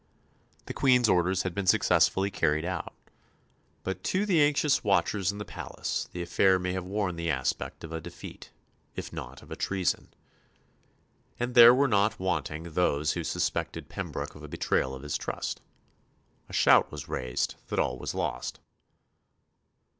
The Queen's orders had been successfully carried out. But to the anxious watchers in the palace the affair may have worn the aspect of a defeat, if not of a treason, and there were not wanting those who suspected Pembroke of a betrayal of his trust. A shout was raised that all was lost.